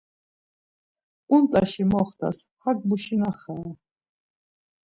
Unt̆aşi moxtas, hak buşinaxare.